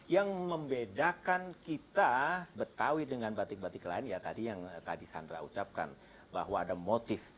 yang membedakan kita betawi dengan batik batik lain ya tadi yang tadi sandra ucapkan bahwa ada motif